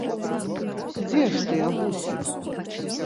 Дзе ж тыя гусі?